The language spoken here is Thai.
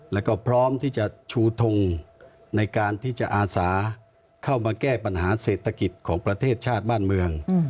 แล้วก็พร้อมที่จะชูทงในการที่จะอาสาเข้ามาแก้ปัญหาเศรษฐกิจของประเทศชาติบ้านเมือง